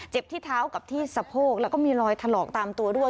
ที่เท้ากับที่สะโพกแล้วก็มีรอยถลอกตามตัวด้วย